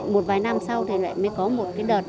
một vài năm sau thì lại mới có một cái đợt